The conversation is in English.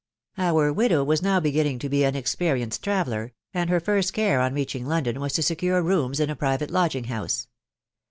Our widow was now beginning to be an experienced travel ler, and her first care on reaching London was to secure rooms in a private lodging house.